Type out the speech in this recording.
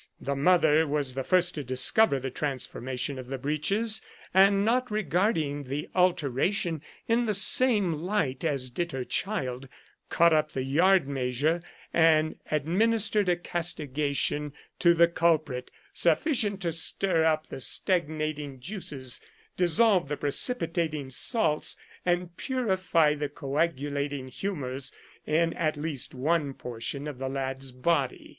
The mother was the first to discover the transformation of the breeches, and, not regarding the alteration in the same light as did her child, caught up the yard measure and administered a castigation to the 126 ''Flagellum Salutis'' culprit, sufficient to "stir up the stagnating juices, dissolve the precipitating salts, and purify the coagu lating humours," in at least one portion of the lad's body.